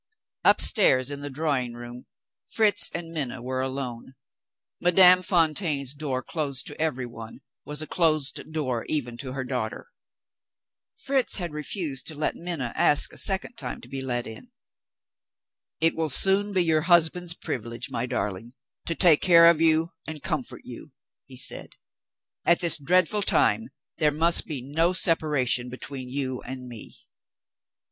Upstairs, in the drawing room, Fritz and Minna were alone. Madame Fontaine's door, closed to everyone, was a closed door even to her daughter. Fritz had refused to let Minna ask a second time to be let in. "It will soon be your husband's privilege, my darling, to take care of you and comfort you," he said. "At this dreadful time, there must be no separation between you and me."